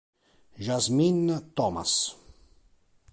Jasmine Thomas